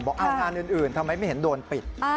งานอื่นทำไมไม่เห็นโดนปิด